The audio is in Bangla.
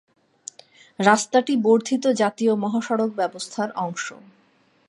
রাস্তাটি বর্ধিত জাতীয় মহাসড়ক ব্যবস্থার অংশ।